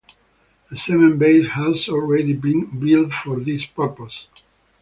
A cement base has already been built for this purpose.